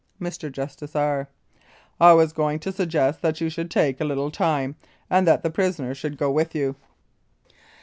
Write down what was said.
Mr. JUSTICE R. : I was just going to suggest that you should take a little time, and that the prisoner should go with you.